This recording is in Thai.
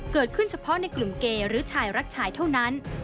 เฉพาะในกลุ่มเกย์หรือชายรักชายเท่านั้น